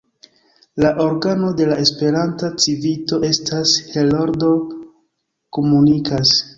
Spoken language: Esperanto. La organo de la Esperanta Civito estas "Heroldo komunikas".